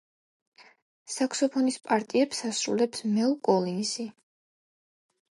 საქსოფონის პარტიებს ასრულებს მელ კოლინზი.